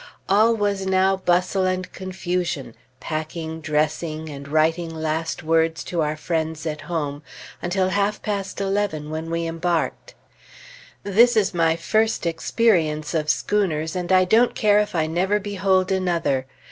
All was now bustle and confusion, packing, dressing, and writing last words to our friends at home, until half past eleven, when we embarked. This is my first experience of schooners, and I don't care if I never behold another.